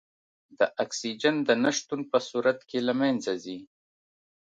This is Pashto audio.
د اکسیجن د نه شتون په صورت کې له منځه ځي.